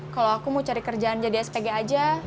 kalau aku mau cari kerjaan jadi spg aja